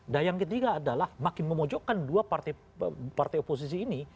dan yang ketiga adalah makin memojokkan dua partai partai oposisi ini